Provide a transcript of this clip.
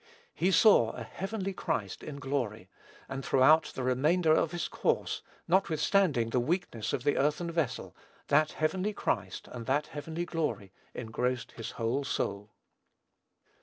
He saw a heavenly Christ in glory; and, throughout the remainder of his course, notwithstanding the weakness of the earthen vessel, that heavenly Christ and that heavenly glory engrossed his whole soul.